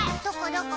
どこ？